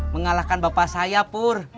mengalahkan bapak saya pur